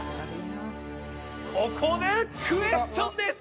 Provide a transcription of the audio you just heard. ここでクエスチョンです！